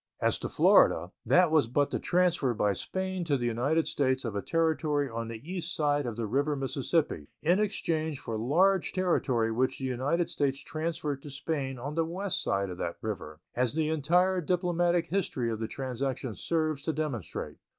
As to Florida, that was but the transfer by Spain to the United States of territory on the east side of the river Mississippi in exchange for large territory which the United States transferred to Spain on the west side of that river, as the entire diplomatic history of the transaction serves to demonstrate.